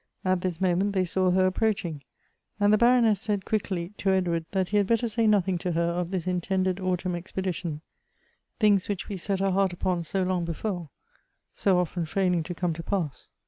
At this moment they saw her approaching, and the Baroness said quickly to Edward, that he had better say nothing to her of this intended autumn expedition — things which we set our heart upon so long before, so often failing to come to pass.